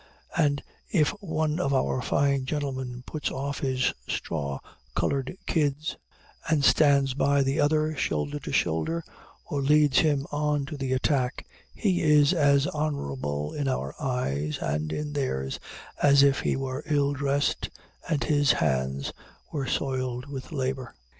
And if one of our fine gentlemen puts off his straw colored kids and stands by the other, shoulder to shoulder, or leads him on to the attack, he is as honorable in our eyes and in theirs as if he were ill dressed and his hands were soiled with labor.